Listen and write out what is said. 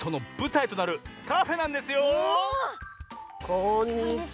こんにちは！